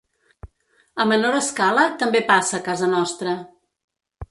A menor escala, també passa a casa nostra.